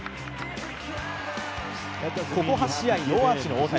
ここ８試合、ノーアーチの大谷。